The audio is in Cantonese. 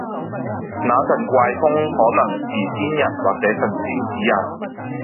那陣怪風可能是先人或者神仙指引